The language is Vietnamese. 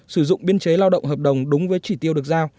sử dụng biên chế lao động hợp đồng đúng với chỉ tiêu được giao